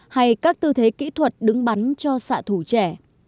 hay các tư thế kỹ thuật đứng bắn cho xạ thủ trẻ